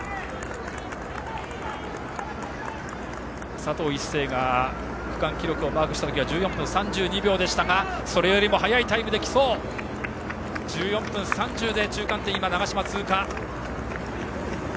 佐藤一世が区間記録をマークした時は１４分３２秒でしたがそれよりも速いタイム１４分３０秒で中間点を長嶋、通過。